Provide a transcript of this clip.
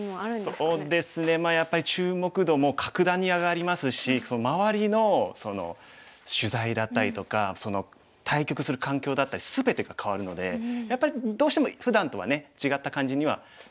そうですねまあやっぱり注目度も各段に上がりますし周りの取材だったりとか対局する環境だったり全てが変わるのでやっぱりどうしてもふだんとはね違った感じにはなりますかね。